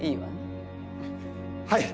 はい！